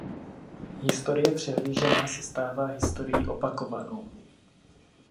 Historie přehlížená se stává historií opakovanou.